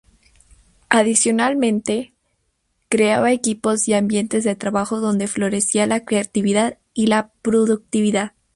Adicionalmente, creaba equipos y ambientes de trabajo donde florecía la creatividad y la productividad.